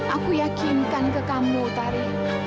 aku yakinkan ke kamu tari